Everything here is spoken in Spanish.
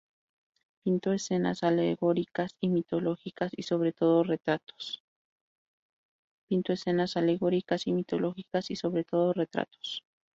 Pintó escenas alegóricas y mitológicas, y sobre todo retratos.